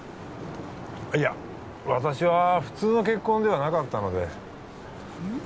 いや私は普通の結婚ではなかったのでうん？